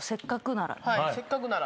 せっかくなら。